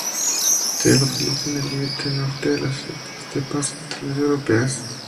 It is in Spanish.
Se localiza en el límite norte de las estepas centrales europeas.